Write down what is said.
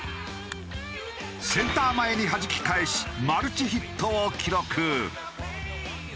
センター前にはじき返しマルチヒットを記録。